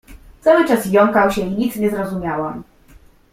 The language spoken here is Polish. Cały czas jąkał się i nic nie zrozumiałam.